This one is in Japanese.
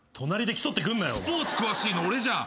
スポーツ詳しいの俺じゃん。